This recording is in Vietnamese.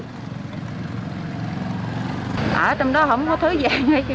ở trong đó không có thứ gì